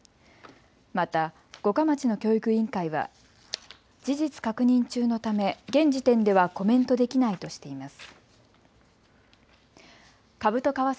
また五霞町の教育委員会は事実確認中のため、現時点ではコメントできないとしています。